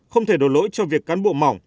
không thể đổ lỗi cho việc cán bộ mỏng